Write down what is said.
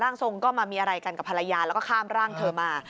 ทรงก็มามีอะไรกันกับภรรยาแล้วก็ข้ามร่างเธอมา